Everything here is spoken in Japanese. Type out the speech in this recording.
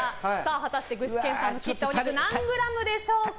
果たして具志堅さんの切ったお肉何グラムでしょうか。